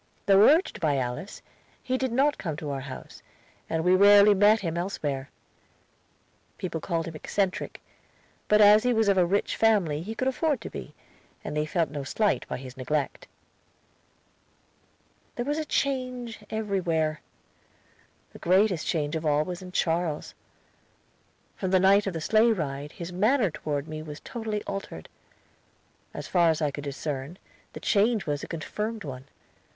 Though urged by Alice, he did not come to our house, and we rarely met him elsewhere. People called him eccentric, but as he was of a rich family he could afford to be, and they felt no slight by his neglect. There was a change everywhere. The greatest change of all was in Charles. From the night of the sleigh ride his manner toward me was totally altered. As far as I could discern, the change was a confirmed one.